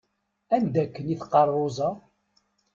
Anda akken i teqqaṛ Roza?